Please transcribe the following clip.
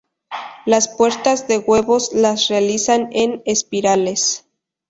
Las puestas de huevos las realizan en espirales.